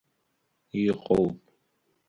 Аибашьрагь еилгахра иҟоуп.